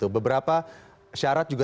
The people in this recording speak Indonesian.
beberapa syarat juga